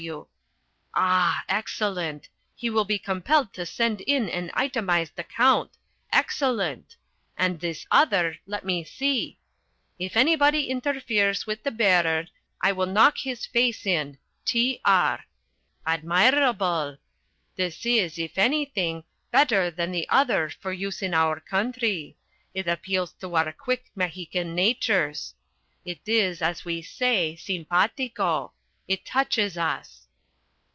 W. W.' Ah! Excellent! He will be compelled to send in an itemised account. Excellent! And this other, let me see. 'If anybody interferes with the bearer, I will knock his face in. T. R.' Admirable. This is, if anything, better than the other for use in our country. It appeals to our quick Mexican natures. It is, as we say, simpatico. It touches us."